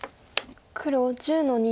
黒１０の二。